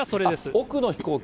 奥の飛行機？